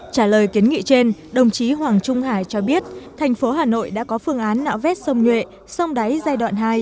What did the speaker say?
trả lời kiến nghị trên đồng chí hoàng trung hải cho biết thành phố hà nội đã có phương án nạo vét sông nhuệ sông đáy giai đoạn hai